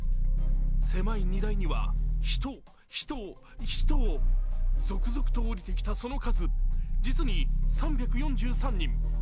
狭い荷台には人、人、人続々と降りてきたその数実に３４３人。